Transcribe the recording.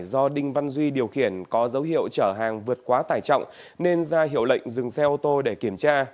do đinh văn duy điều khiển có dấu hiệu chở hàng vượt quá tải trọng nên ra hiệu lệnh dừng xe ô tô để kiểm tra